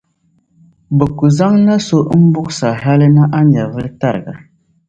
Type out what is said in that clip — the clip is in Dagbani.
bɛ ku zaŋ na’ so m-buɣisi a hali ni a nyɛvili tariga.